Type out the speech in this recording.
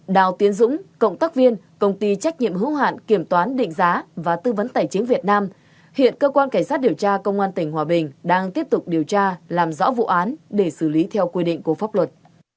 đào tiến dũng cộng tác viên công ty trách nhiệm hữu hạn kiểm toán định giá và tư vấn tài chính việt nam hiện cơ quan cảnh sát điều tra công an tỉnh hòa bình đang tiếp tục điều tra làm rõ vụ án để xử lý theo quy định của pháp luật